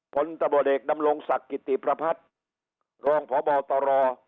ผลตำรวจเอกดำรงศักดิ์กิติประพัฒน์รองพบตร